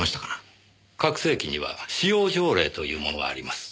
拡声器には使用条例というものがあります。